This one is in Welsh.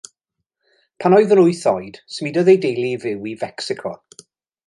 Pan oedd yn wyth oed symudodd ei deulu i fyw i Fecsico.